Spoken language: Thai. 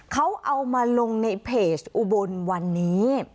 เขาเอามาลงในเพจอุบลวันนี้